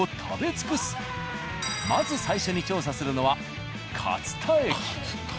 まず最初に調査するのは勝田駅。